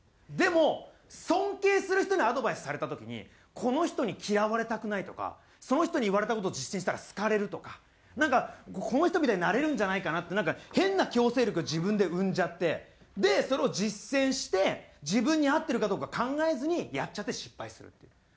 でも尊敬する人にアドバイスされた時にこの人に嫌われたくないとかその人に言われた事実践したら好かれるとかなんかこの人みたいになれるんじゃないかなって変な強制力を自分で生んじゃってそれを実践して自分に合ってるかどうか考えずにやっちゃって失敗するっていう。